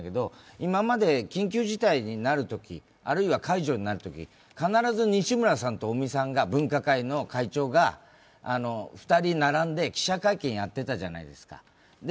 今まで緊急事態になるとき、あるいは解除になるとき、必ず西村さんと尾身さん、分科会の会長が記者会見、やってたじゃないですか。